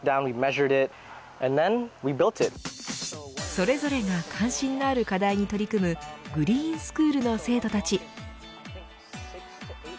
それぞれが関心のある課題に取り組むグリーンスクールの生徒たち。